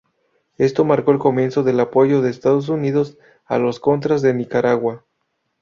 Esto marcó el comienzo del apoyo de Estados Unidos a los contras de Nicaragua.